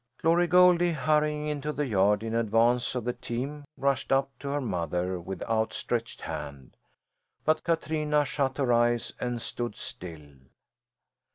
Glory Goldie, hurrying into the yard in advance of the team, rushed up to her mother with outstretched hand. But Katrina shut her eyes and stood still.